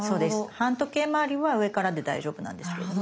反時計まわりは上からで大丈夫なんですけれども。